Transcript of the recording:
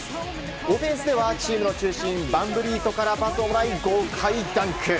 オフェンスではチームの中心選手からパスをもらい豪快ダンク。